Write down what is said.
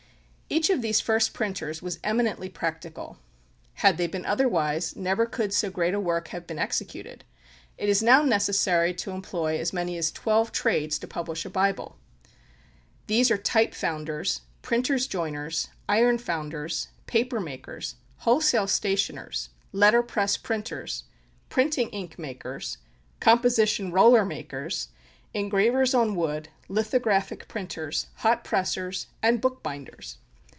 Each of these first printers was eminently practical. Had they been otherwise, never could so great a work have been executed. It is now necessary to employ as many as twelve trades to publish a Bible. These are type founders, printers' joiners, iron founders, paper makers, wholesale stationers, letter press printers, printing ink makers, composition roller makers, engravers on wood, lithographic printers, hot pressers, and book binders.